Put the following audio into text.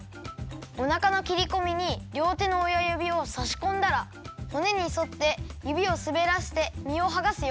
おなかのきりこみにりょうてのおやゆびをさしこんだらほねにそってゆびをすべらせてみをはがすよ。